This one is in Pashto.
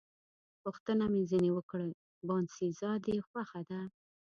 پوښتنه مې ځنې وکړل: باینسېزا دې خوښه ده؟